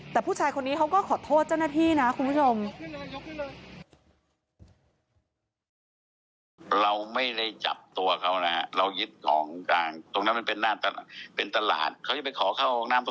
แต่ผู้ชายคนนี้เขาก็ขอโทษเจ้าหน้าที่นะคุณผู้ชม